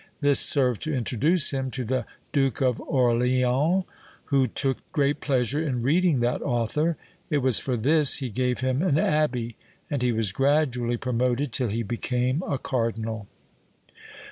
This served to introduce him to the Duke of Orleans, who took great pleasure in reading that author. It was for this he gave him an abbey, and he was gradually promoted till he became a cardinal.